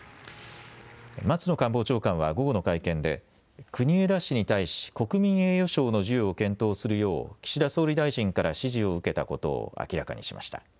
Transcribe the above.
松野官房長官は午後の会見で国枝氏に対し国民栄誉賞の授与を検討するよう岸田総理大臣から指示を受けたことを明らかにしました。